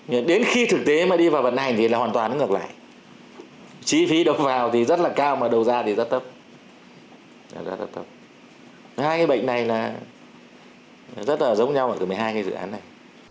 hai cái bệnh này là rất là giống nhau ở cả một mươi hai cái dự án này